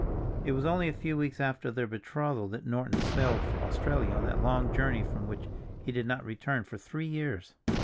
II IT was only a few weeks after their betrothal that Norton sailed for Australia on that long journey from which he did not return for three years.